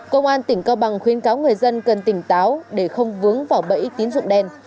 công an tỉnh cao bằng khuyên cáo người dân cần tỉnh táo để không vướng vào bẫy tín dụng đen